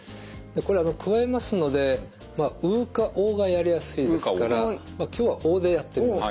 これくわえますのでまあ「う」か「お」がやりやすいですからまあ今日は「お」でやってみます。